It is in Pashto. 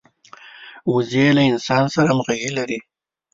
وزې له انسان سره همږغي لري